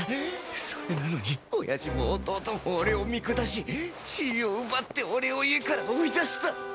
それなのにおやじも弟も俺を見下し地位を奪って俺を家から追い出した。